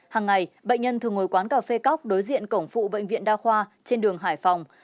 hàng ngày bệnh nhân thường ngồi quán cà phê cóc đối diện cổng phụ bệnh viện đa khoa trên đường hải phòng